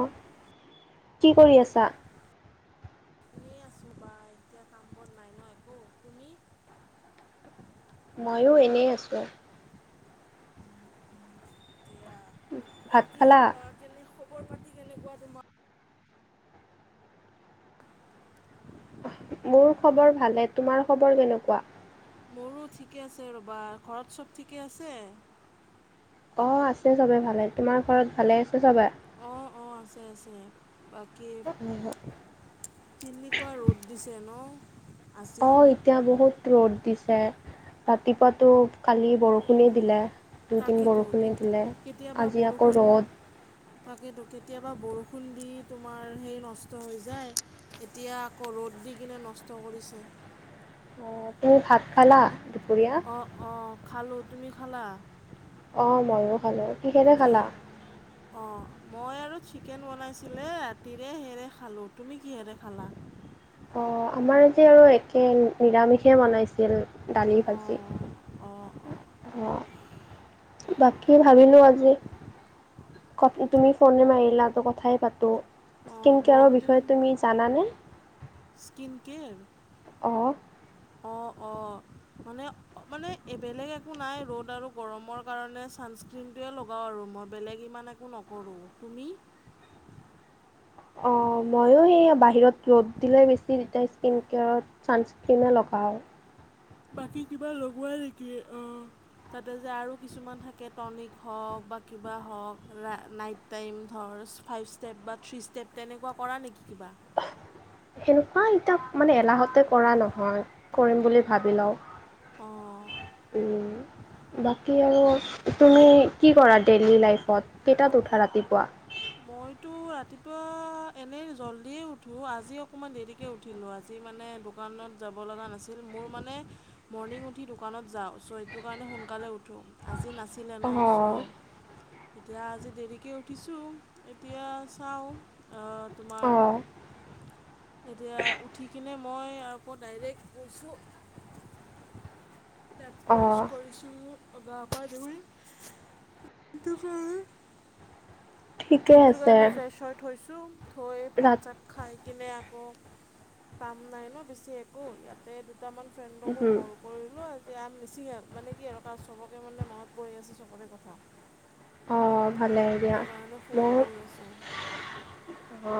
অ' কি কৰি আছা? এনে আছো বা এতিয়া কাম বন নাই ন একো, তুমি? ময়ো এনেই আছোঁ। এয়া বা ভাত কি খালা? কোৱা কেনে খবৰ পাতি কেনেকুৱা তোমা? মোৰ খবৰ ভালে, তোমাৰ খবৰ কেনেকুৱা? মোৰো ঠিকে আছে ৰ'বা, ঘৰত চব ঠিকে আছে? অঁ আছে চবে ভালে, তোমাৰ ঘৰত ভালে আছে চবে। অঁ অঁ, আছে আছে বাকী- কেনেকুৱা ৰ'দ দিছে ন'। আজি অঁ', এতিয়া বহুত ৰ'দ দিছে ৰাতিপুৱাতো কালি বৰষুণেই দিলে। দুদিন তাকেইতো বৰষুণে দিলে। কেতিয়াবা আজি আকৌ ৰ'দ। বৰষুণ- তাকেতো কেতিয়াবা বৰষুণ দি তোমাৰ সেই নষ্ট হৈ যায়। এতিয়া আকৌ ৰ'দ দি কিনে নষ্ট কৰিছে। অ' তুমি ভাত খালা দুপৰীয়া? অঁ'অঁ' খালোঁ, তুমি খালা? অঁ', ময়ো খালোঁ কিহেৰে কি খালা? অঁ', মই আৰু চিকেন বনাইছিলে ৰাতিৰে সেৰে খালোঁ, তুমি কিহেৰে খালা? অঁ আমাৰ আজি আৰু একে নিৰামিষে বনাইছিল। দালি ভাজি। অঁ অঁ, বাকী ভাবিলো আজি- ক তুমি ফোনে মাৰিলাটো কথাই পাতোঁ অঁ স্কিন বহুত কেয়াৰৰ দিন বিষয়ে তুমি জানানে? Skin care. অঁ' অঁ' অঁ'। মানে মানে বেলেগ একো নাই ৰ'দ আৰু গৰমৰ কাৰণে চানস- ক্ৰীমটোৱে লগাওঁ আৰু মই বেলেগ ইমান একো নকৰোঁ তুমি? অঁ', ময়ো সেইয়া বাহিৰত ৰ'দ দিলে বেছি তেতিয়া স্কিন কেয়াৰত- ছানচ স্ক্ৰীমে লগাওঁ। বাকী কিবা লগোৱা নেকি, অঁ'। তাতে যে আৰু কিছুমান থাকে টনিক হওক বা কিবা হওক লা নাইট টাইম ধৰ ফাইভ ষ্টেপ বা থ্ৰী ষ্টেপ তেনেকোৱা কৰা নেকি কিবা? সেনেকোৱা এতিয়া মানে এলাহতে কৰা নহয় কৰিম বুলি ভাবি লও। অঁ উম, বাকী আৰু তুমি কি কৰা ডেইলী লাইফত কেইটাত উঠা ৰাতিপুৱা? মইতো ৰাতিপুৱা এনেই জল্ডিয়ে উঠো আজি অকণমান দেৰি কে উঠিলো আজি মানে দোকানত যাব লগা নাছিল মোৰ মানে মৰ্ণিং উঠি দোকানত যাও চ' ইটোৰ কাৰণে সোনকালে উঠো আজি নাছি লে ন অ', চ' এতিয়া আজি দেৰিকৈ উঠিছো। এতিয়া চাও অ তোমাৰ অ', এতিয়া উঠি কিনে মই আকৌ ডাইৰেক্ট গৈছো দাঁত ব্ৰাছ অ', কৰিছো গা পা ধুই দোকানত ঠিকে দিনটোৰ আছে। কাৰণে ফ্ৰেছ হৈ থৈছো থৈ ভাত ৰাত চাত খাই কিনে আকৌ কাম নাই ন' বেছি একো ইয়াতে দুটামান ফ্ৰেণ্ডকো কৰো কৰিলো এতিয়া বেছি হে মানে কি আৰু চবকে মানে মনত পৰি আছে চবৰে কথা। [inaudible] অ, ভালেই দিয়া। সেইটো কাৰণে ফোন মোৰ কৰি আছো। অ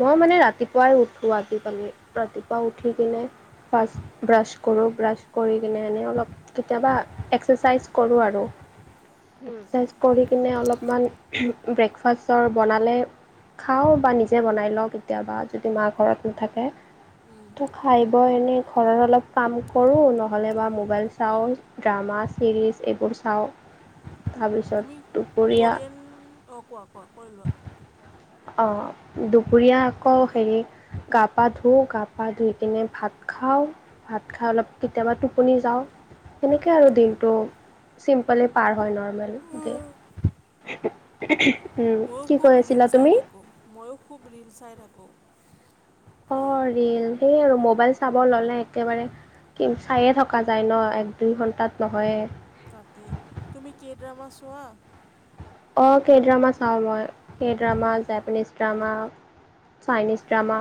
মই মানে ৰাতিপুৱাই উঠো আজিকালি ৰাতিপুৱা উঠি কিনে ফাৰ্ষ্ট ব্ৰাছ কৰো ব্ৰাছ কৰি কিনে এনেই অলপ কেতিয়াবা এক্সাৰচাইজ কৰো আৰু। [unintelligible] এক্সাৰচাইজ কৰি কিনে অলপমান উমহ ব্ৰেকফাষ্টৰ বনালে খাও বা নিজে বনাই লও কেতিয়াবা যদি মা ঘৰত নাথাকে উম। ত খাই বই এনে ঘৰত অলপ কাম কৰো নহ'লে বা মোবাইল চাও। ড্ৰামা চিৰিজ এইবোৰ চাও তাৰপিছত তুমি দুপৰীয়া কোৰিয়ান অ কোৱা কোৱা কৈ লোৱা। অ' দুপৰীয়া আকৌ হেৰি গা পা ধুও, গা পা ধুই কিনে ভাত খাও ভাত খাই অলপ কেতিয়াবা টোপনি যাও সেনেকেই আৰু দিনটো চিম্পলে পাৰ হয় নৰ্মেলকে উম ময়ো খুব ৰিল চাই থাকো, ময়ো খুব ৰিল চাই থাকো। অ' ৰিল সেই আৰু মোবাইল চাব ললে একেবাৰে কি চায়ে থকা যায় ন' এক দুই ঘণ্টাত নহয়েই? তাকে তুমি কেইড্ৰামা চোৱা? অ' কেইড্ৰামা চাও মই K drama Japanese drama Chinese drama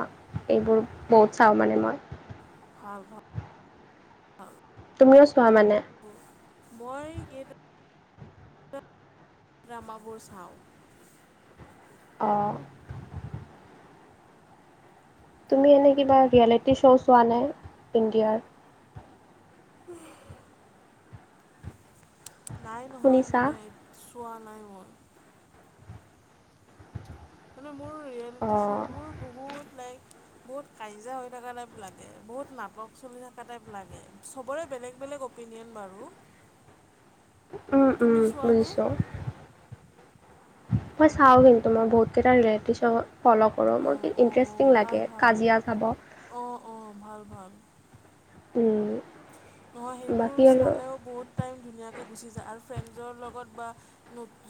এইবোৰ বহুত চাও মানে মই। ভাল ভাল। তুমিও চোৱা মানে? অ, মই কেইটা ড্ৰামাবোৰ চাও। অ তুমি এনেই কিবা ৰিয়েলিটি শ্ব' চোৱা নাই ইণ্ডিয়াৰ? [unintelligible] নাই নহয় শুনিছা? মানে চোৱা নাই মই। মানে মোৰ ৰিয়েলিটি অ', শ্ব'বোৰ বহুত লাইক বহুত কাজিয়া হৈ থকা টাইপ লাগে, বহুত নাটক চলি থকা টাইপ লাগে, চবৰে বেলেগ বেলেগ অপ অপিনিয়ন বাৰু। উম, উম, তুমি চোৱানে বুজিছো। মই চাওঁ কিন্তু মই বহুত কেইটা ৰিয়েলিটি শ্ব ফল' [unintelligible] অঁ কি ইণ্টাৰেষ্টিং লাগে কাজিয়া চাব। অ', অ' ভাল ভাল। উম। নহয় বাকী সেইবোৰ আৰু চালেও বহুত টাইম ধুনীয়াকে গুচি যায়, আৰু ফ্ৰেণ্ডছৰ লগত বা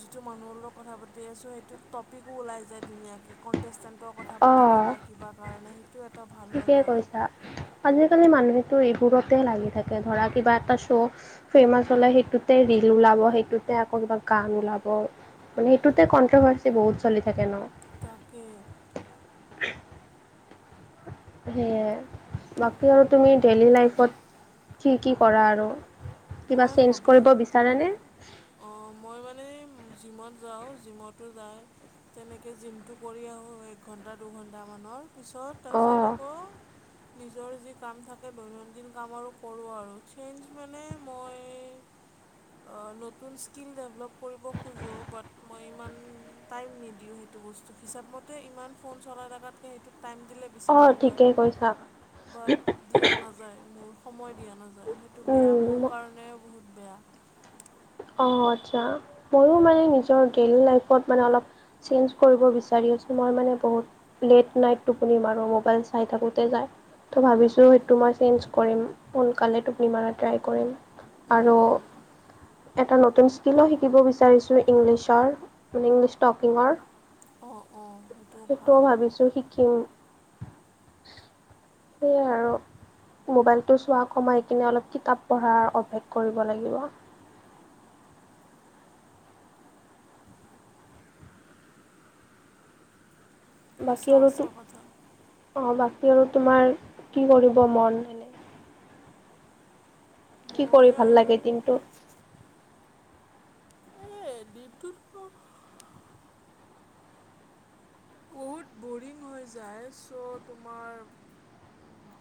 যিটো মানুহৰ লগত কথা পাতি আছো সেইটো টপিকো ওলাই যায় ধুনীয়াকে কনটেষ্টেণ্ট কথা পাতিব অ', বা কিবা কাৰণে সেইটো এটা ভাল। হয় ঠিকেই বাৰু কৈছা। আজিকালি মানুহেতো এইবোৰতে লাগি থাকে ধৰা কিবা এটা শ্ব' ফেমাচ হ'লে সেইটোতে ৰীল ওলাব, সেইটোতে আকৌ কিবা গান ওলাব। মানে সেইটোতে কনট্ৰভাৰ্চি বহুত চলি থাকে ন'। তাকেই। সেয়ে, বাকী আৰু তুমি ডেইলী লাইফত কি কি কৰা আৰু? কিবা মই চেঞ্জ কৰিব হবীৰ বিচাৰেনে? অ' মই মানে জিমত যাওঁ জিমতো যায় তেনেকে জিমটো কৰি আহোঁ এক ঘণ্টা দুঘণ্টামানৰ পিছত অ তাৰপিছত আকৌ নিজৰ যি কাম থাকে দৈনন্দিন কাম আৰু কৰোঁ আৰু, চেঞ্জ মানে মই অ নতুন স্কিল ডেভেলপ কৰিব খোজোঁ বাট মই ইমান টাইম নিদিওঁ সেইটো বস্তু হিচাপ মতে ইমান ফোন চলাই থকাতকে সেইটোক টাইম দিলে বেছি অ', ভাল হয়, ঠিকেই কৈছা বাট দিয়া নাযায় মোৰ। সময় দিয়া নাযায়, সেইটো বেয়া, মোৰ উম কাৰণে বহুত বেয়া। অ' আচ্ছা, ময়ো মানে নিজৰ ডেইলী লাইফত মানে অলপ চেঞ্জ কৰিব বিচাৰি আছোঁ, মই মানে বহুত লেট নাইট টোপনি মাৰো, মোবাইল চাই থাকোঁতেই যায়। ত' ভাবিছোঁ সেইটো মই চেঞ্জ কৰিম, সোনকালে টোপনি মাৰা ট্ৰাই কৰিম, উম, আৰু উম। এটা নতুন স্কিলো শিকিব বিচাৰিছো ইংলিছৰ মানে ইংলিছ টকিঙৰ। অ', অ' সেইটোও ভাল। [unintelligible] বেচু শিক কিম সেয়াই আৰু। মোবাইলটো চোৱা কমাই কিনে অলপ কিতাপ পঢ়াৰ অভ্যাস কৰিব লাগিব। বাকী সঁচা আৰু তু সঁচা কথা অ বাকী আৰু তোমাৰ কি কৰিব মন? এনে কি মই কৰি ভাল আৰু লাগে দিনটো? এই দিনটো টো বহুত বৰিং হৈ যায় ছ' তোমাৰ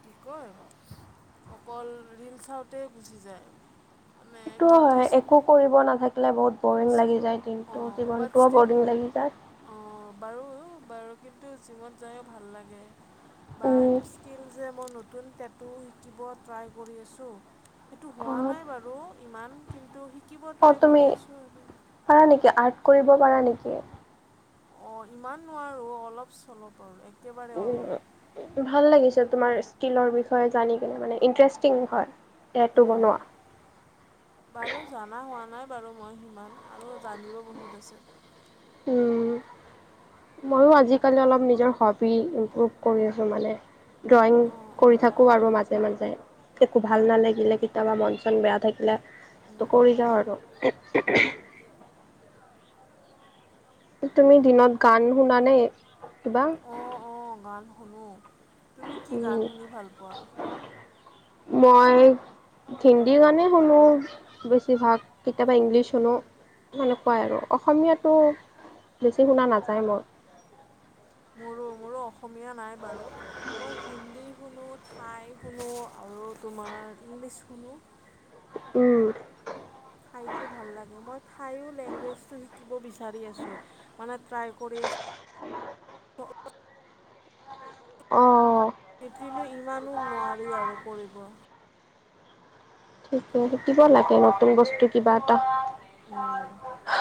কি কয় অকল ৰীল চাওঁতে গুচি যায়। মানে সেইটো হয় কিন্তু একো কৰিব নাথাকিলে বহুত বৰিং লাগি যায় দিনটো, জীৱনটোও বৰিং লাগি যায়। অ' বাৰু বাৰু কিন্তু জিমত যায়ো ভাল লাগে। বা, এইটো অঁ স্কিল যে, মই নতুন টেটু শিকিব ট্ৰাই কৰি আছোঁ। সেইটো হোৱা নাই বাৰু, ইমান কিন্তু শিকিব অঁ ট্ৰাই তুমি কৰি আছোঁ আৰু। পাৰা নেকি, আৰ্ট কৰিব পাৰা নেকি? অ, ইমান নোৱাৰো, অলপ-চলপ আৰু এ উম, ভাল লাগিছে তোমাৰ স্কিলৰ বিষয়ে জানি কিনে, মানে ইণ্টাৰেষ্টিং হয়। টেটু অঁ বনোৱা? বাৰু জনা হোৱা নাই বাৰু, মই সিমান আৰু জানিব বহুত আছে। হয়, ময়ো আজিকালি অলপ নিজৰ হবি, ইম্প্ৰুভ কৰি আছোঁ মানে। ড্ৰয়িং, অঁ অঁ কৰি থাকোঁ আৰু মাজে মাজে-মাজে, একো ভাল নালাগিলে কেতিয়াবা মন-চন বেয়া থাকিলে। ত, উম। কৰি যাওঁ আৰু তুমি দিনত গান শুনানে কিবা? অ, গান শুনো তুমি কি গান শুনি ভাল পোৱা। মই হিন্দী গানে শুনো, বেছিভাগ কেতিয়াবা ইংলিছ শুনো। এনেকুৱাই আৰু, অসমীয়াটো বেছি শুনা নাযায় মই। মোৰো, মোৰো অসমীয়া নাই বাৰু। মই হিন্দী শুনো, ঠাই শুনো, আৰু তোমাৰ ইংলিছ শুনো। উম, ঠাইতো ভাল লাগে, মই ঠাইও লেংগুৱেজটো শিকিব বিচাৰি আছোঁ। মানে ট্ৰাই কৰি আছো [inaudible] অ'। কিন্তু ইমানো নোৱাৰি আৰু কৰিব। শিকিব লাগে, নতুন বস্তু কিবা এটা। উম,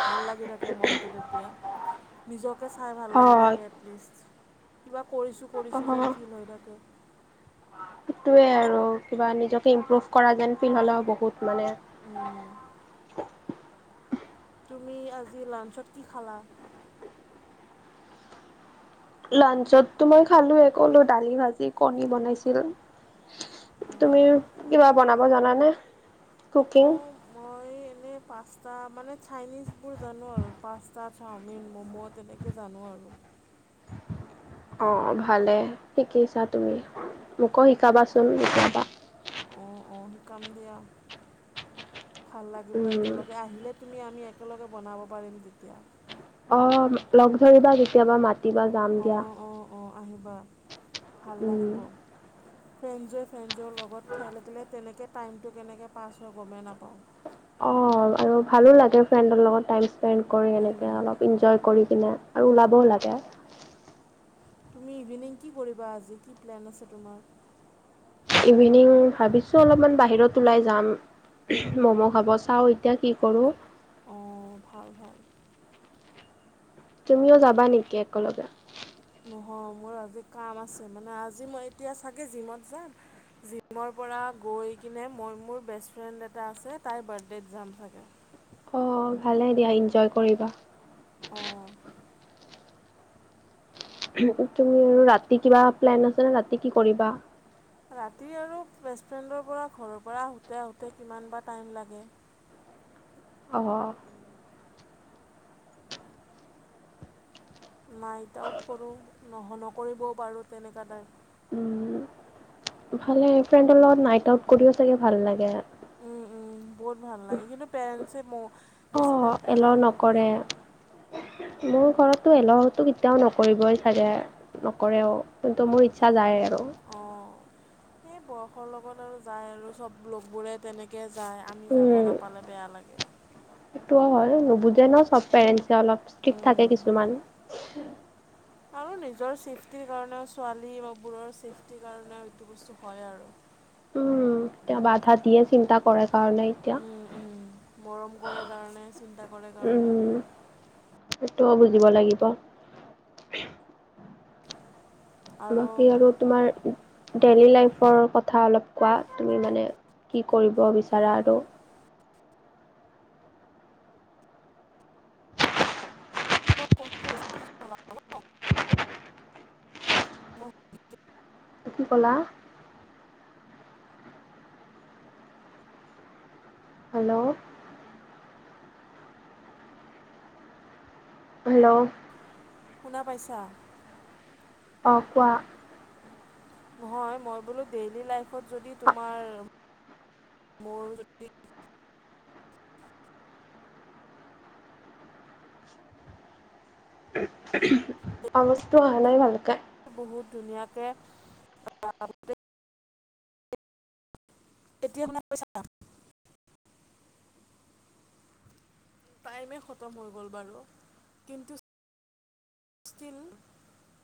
ভাল লাগি থাকে মনটো এতিয়া। নিজকে চাই ভাল লাগি থাকে এটলিষ্ট, কিবা কৰিছোঁ, অ', কৰিছোঁ যেন অ'। ফিল হৈ থাকে। সেইটোৱে আৰু কিবা নিজকে ইমপ্ৰুভ কৰা যেন, ফিল হ'লেও বহুত মানে উম, তুমি আজি লাঞ্চত কি খালা? লাঞ্চতো মই খালো কলো, দালি, ভাজি, কণী, বনাইছিল। উম তুমিও কিবা বনাব জানানে, কুকিং? অঁ মই এনেই পাস্তা, মানে চাইনিজবোৰ জানো আৰু পাস্তা, চাওমিন, ম'ম', তেনেকৈ। তে, জানো আৰু। অ, ভালে শিকিছা তুমি, মোকো শিকাবাচোন কেতিয়াবা। অ, অ, শিকাম দিয়া। ভাল লাগিব, উম একেলগে আহিলে তুমি আমি একেলগে বনাব পাৰিম তেতিয়া। অ, লগ-ভাগ এটা, কেতিয়াবা মাতিবা যাম দিয়া। অ, আহিবা ভাল উম লাগিব। ফ্ৰেণ্ডজে-ফ্ৰেণ্ডজৰ লগত ঠাই থাকিলে, তেনেকৈ টাইমটো কেনেকৈ পাছ হৈ গমেই নাপাওঁ। অঁ আৰু ভালো লাগে, ফ্ৰেণ্ডৰ লগত টাইম স্পেড কৰি, উম, এনেকে অলপ এনজয় কৰি কিনে। আৰু ওলাবও লাগে। তুমি ইভিনিং কি কৰিবা আজি, কি প্লেন আছে তোমাৰ? ইভিনিং ভাবিছো, অলপমান বাহিৰত ওলাই যাম। ম'ম' খাব, চাওঁ এতিয়া কি কৰোঁ। অ, ভাল, ভাল। তুমিও যাবা নেকি একেলগে? নহয়, মোৰ আজি কাম আছে। মানে আজি মই এতিয়া চাগে জিমত যাম। জিমৰ পৰা গৈ কিনে, মই মোৰ বেষ্ট ফ্ৰেণ্ড এটা আছে তাইৰ বাৰ্থডেত যাম চাগে। অ' ভালে দিয়া এনজয় কৰিবা। অ তুমি আৰু ৰাতি কিবা প্লেন আছে নে ৰাতি কি কৰিবা। ৰাতি আৰু বেষ্টফ্ৰেণ্ডৰ পৰা ঘৰৰ পৰা আহোঁতে আহোঁতে কিমান বা টাইম লাগে অ হ নাইট আউট কৰোঁ নহ নকৰিবও পাৰোঁ, তেনেকুৱা তাইপ। উম, ভালে, ফ্ৰেণ্ডৰ লগত নাইট আউট কৰিও চাগে ভাল লাগে। উম উম বহুত ভাল লাগে, কিন্তু পেৰেণ্টছে ম বেছি অ' টাইম এলাও নিদিয়ে নকৰে। ন'। মোৰ ঘৰতো এলাওটো কেতিয়াও নকৰিবই চাগে। নকৰেও কিন্তু মোৰ ইচ্ছা যায় আৰু। অ' সে বয়সৰ লগত আৰু যায় আৰু চব লগবোৰে তেনেকে যায়। আমি যাব উম, নাপালে বেয়া লাগে। সেইটোও হয়। নুবুজে ন' চব পেৰেণ্টছে, অলপ ষ্ট্ৰিক উম, থাকে কিছুমান। আৰু নিজৰ চেফটিৰ কাৰণেও ছোৱালী [unintelligible] বোৰৰ চেফটিৰ কাৰণেও এইটো বস্তু হয় আৰু। উম। এতিয়া বাধা দিয়ে, চিন্তা কৰে কাৰণে এতিয়া। উ, উম। মৰম কৰে কাৰণে, চিন্তা কৰে কাৰণে। উম, সেইটোও বুজিব লাগিব। বাকী আৰু তোমাৰ ডেইলি লাইফৰ কথা অলপ কোৱা, তুমি মানে কি কৰিব বিচাৰা আৰু মই ফোনটো বেছিকে চলাও মই কি ক'লা? হেল্ল'। হেল্ল' শুনা পাইছা? অ' কোৱা নহয় মই বোলো ডেইলি লাইফত যদি তোমাৰ, মোৰ যদি অৱাজ টো অহা নাই ভালকে। বহুত ধুনীয়াকে [unintelligible] এ এতিয়া আপোনক [unintelligible] টাইমে খতম হৈ গ'ল বাৰু কিন্তু ষ্টিল